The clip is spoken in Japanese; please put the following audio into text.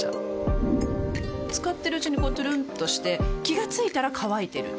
使ってるうちにこうトゥルンとして気が付いたら乾いてる